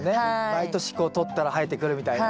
毎年とったら生えてくるみたいな。